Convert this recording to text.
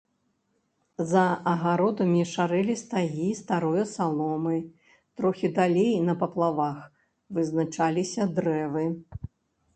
За агародамі шарэлі стагі старое саломы, трохі далей, на паплавах, вызначаліся дрэвы.